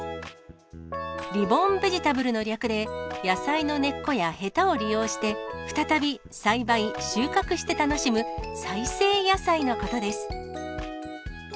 リボーンベジタブルの略で、野菜の根っこやへたを利用して、再び栽培・収穫して楽しむ、再生野菜のことです。